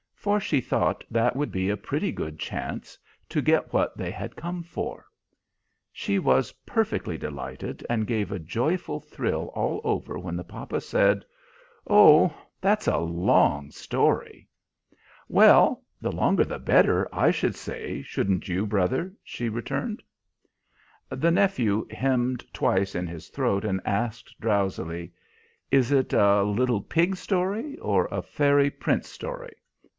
for she thought that would be a pretty good chance to get what they had come for. She was perfectly delighted, and gave a joyful thrill all over when the papa said, "Oh, that's a long story." "Well, the longer the better, I should say; shouldn't you, brother?" she returned. The nephew hemmed twice in his throat, and asked, drowsily, "Is it a little pig story, or a fairy prince story?"